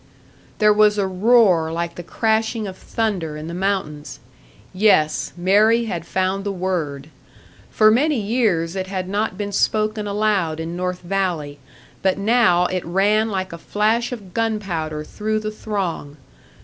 _" There was a roar like the crashing of thunder in the mountains. Yes, Mary had found the word! For many years it had not been spoken aloud in North Valley, but now it ran like a flash of gunpowder through the throng.